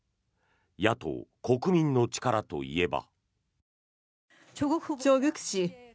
野党・国民の力といえば。